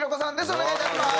お願いいたします。